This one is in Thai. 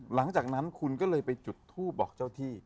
หลังจากนั้นคุณก็เลยไปจุดทูปบอกเจ้าที่